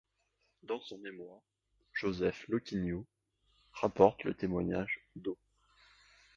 Dans son mémoire Joseph Lequinio rapporte le témoignage d'Aug.